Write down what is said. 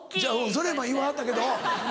それ今言わはったけど。